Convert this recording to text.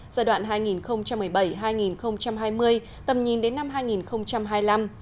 giai đoạn hai nghìn một mươi bảy hai nghìn hai mươi tầm nhìn đến năm hai nghìn hai mươi năm